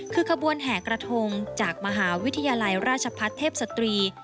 คือขบวนแห่กระทงจากมหาวิทยาลัยราชพัฒน์เทพสตรี